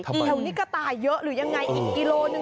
แถวนี้กระต่ายเยอะหรือยังไงอีกกิโลหนึ่ง